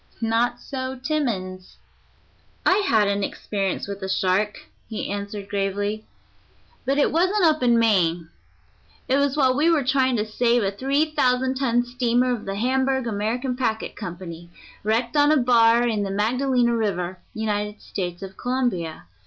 Not so Timmans. "I had an experience with a shark," he answered gravely, "but it wasn't up in Maine. It was while we were trying to save a three thousand ton steamer of the Hamburg American Packet Company, wrecked on a bar in the Magdalena River, United States of Colombia.